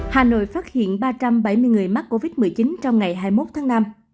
hà nội phát hiện ba trăm bảy mươi người mắc covid một mươi chín trong ngày hai mươi một tháng năm